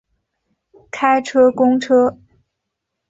开车公车